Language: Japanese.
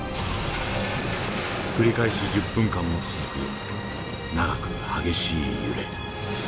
繰り返し１０分間も続く長く激しい揺れ。